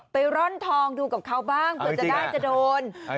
ร่อนทองดูกับเขาบ้างเผื่อจะได้จะโดน